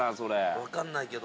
分かんないけど。